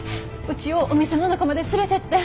うちをお店の中まで連れてって。